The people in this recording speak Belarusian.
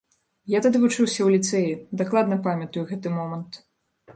Я тады вучыўся ў ліцэі, дакладна памятаю гэты момант.